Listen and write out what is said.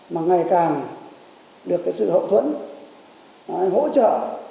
mà ngày càng được sự hậu thuẫn hỗ trợ